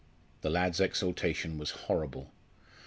The lad's exultation was horrible.